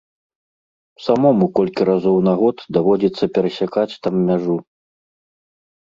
Самому колькі разоў на год даводзіцца перасякаць там мяжу.